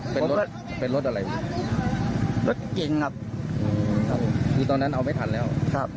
อืมตอนนั้นเอาไม่ทันแล้ว